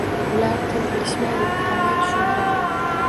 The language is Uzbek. — Ular til bilishmaydi-ku? Qanday tushuntiraman?